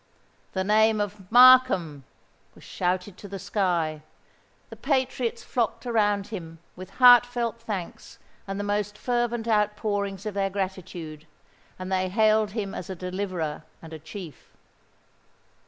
The name of "MARKHAM" was shouted to the sky: the patriots flocked around him, with heart felt thanks and the most fervent outpourings of their gratitude; and they hailed him as a deliverer and a chief.